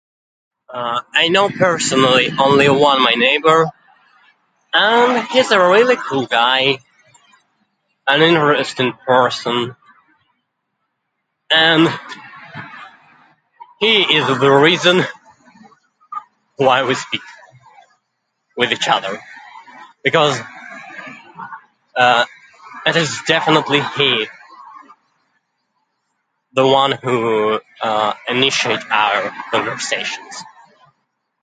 Um, I know personally only one, my neighbour. Um, he's a really cool guy. An interesting person. And, he is the reason why we speak with eachother, because, uh, it is definitely him, the one who uh, initiates our conversations.